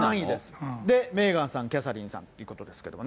そしてメーガンさん、キャサリンさんということですけれどもね。